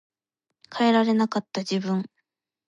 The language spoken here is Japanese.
変えられなかった自分